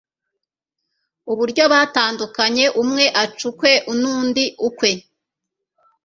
uburyo batandukanye umwe aca ukwe n'undi ukwe.